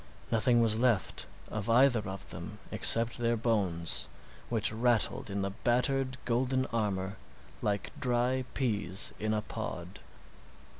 Nothing was left of either of them except their bones, which rattled in the battered, golden armor like dry peas in a pod.